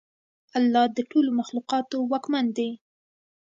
الله د ټولو مخلوقاتو واکمن دی.